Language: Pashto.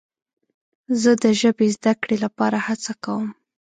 زه د ژبې زده کړې لپاره هڅه کوم.